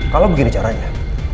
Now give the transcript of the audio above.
kalo begini caranya